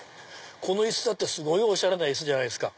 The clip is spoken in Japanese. この椅子だってすごいおしゃれな椅子じゃないですか。